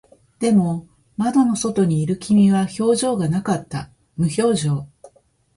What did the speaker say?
でも、窓の外にいる君は表情がなかった。無表情。